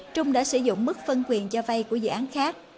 trung đã sử dụng mức phân quyền cho vay của dự án khác